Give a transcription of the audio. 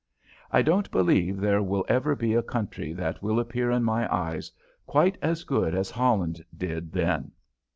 I don't believe there will ever be a country that will appear in my eyes quite as good as Holland did then.